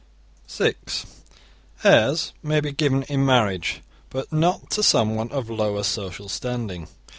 (6) Heirs may be given in marriage, but not to someone of lower social standing.